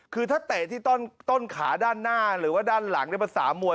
คือถ้าเตะที่ต้นขาด้านหน้าหรือว่าด้านหลังภาษามวย